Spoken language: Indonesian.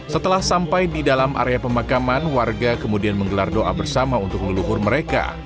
setelah sampai di dalam area pemakaman warga kemudian menggelar doa bersama untuk leluhur mereka